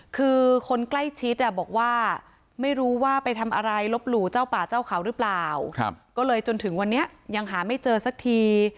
คือคนใกล้ชิดบอกว่าไม่รู้ว่าไปทำอะไรลบหลู่เจ้าป่าเจ้าเขาหรือเปล่าก็เลยจนถึงวันนี้ยังหาไม่เจอสักที